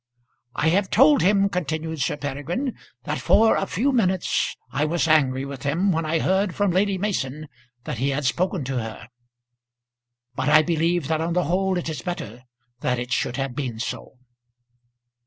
"I have told him," continued Sir Peregrine, "that for a few minutes I was angry with him when I heard from Lady Mason that he had spoken to her; but I believe that on the whole it is better that it should have been so."